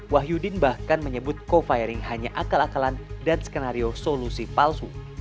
wahyudin bahkan menyebut co firing hanya akal akalan dan skenario solusi palsu